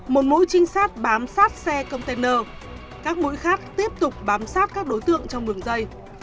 một mũi trinh sát bám sát xe container các mũi khác tiếp tục bám sát các đối tượng trong đường dây